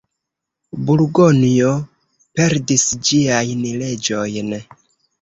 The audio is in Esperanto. Burgonjo perdis ĝiajn leĝojn.